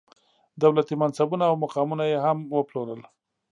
دولتي منصبونه او مقامونه یې هم وپلورل.